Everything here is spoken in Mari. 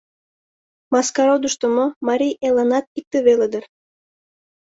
Маскародышто мо, Марий Элланат икте веле дыр.